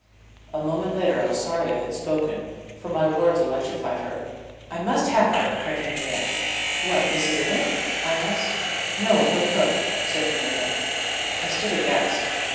A moment later I was sorry I had spoken, for my words electrified her. "I must have her!" cried Henriette. "What, Mrs. Innitt?" I asked. "No her cook," said Henriette. I stood aghast.